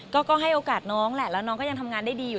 ก็ให้โอกาสน้องแหละแล้วน้องก็ยังทำงานได้ดีอยู่